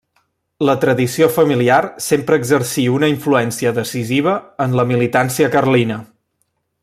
La tradició familiar sempre exercí una influència decisiva en la militància carlina.